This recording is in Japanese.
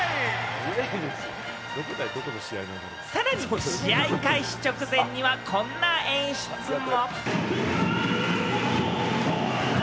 さらに試合開始直前には、こんな演出も。